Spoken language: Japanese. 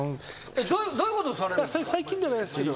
最近じゃないですけど。